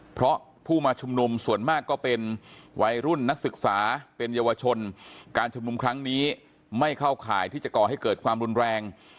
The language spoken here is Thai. เพราะผู้มาชุมนุมส่วนมากก็เป็นวัยรุ่นนักศึกษาเป็นเยาวชนการชุมนุมครั้งนี้ไม่เข้าข่ายที่จะก่อให้เกิดความรุนแรง